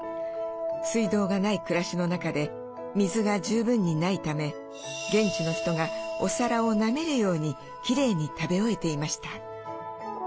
水道がない暮らしの中で水が十分にないため現地の人がお皿をなめるようにきれいに食べ終えていました。